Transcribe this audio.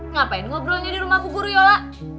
ngapain ngobrolnya di rumah bu guru yola